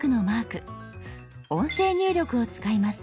音声入力を使います。